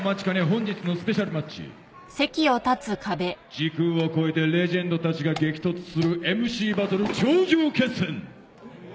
時空を超えてレジェンドたちが激突するＭＣバトル頂上決戦。